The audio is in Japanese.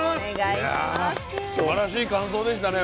いやすばらしい感想でしたね。